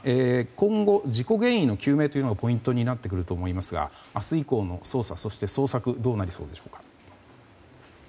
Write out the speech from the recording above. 今後、事故原因の究明がポイントになると思いますが明日以降の捜査、捜索どうなりそうですか？